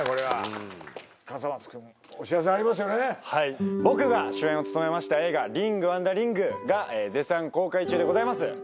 はい僕が主演を務めました映画「リング・ワンダリング」が絶賛公開中でございます